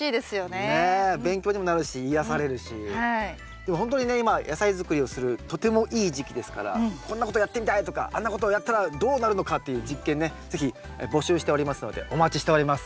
でもほんとにね今野菜作りをするとてもいい時期ですからこんなことやってみたいとかあんなことをやったらどうなるのかっていう実験ね是非募集しておりますのでお待ちしております。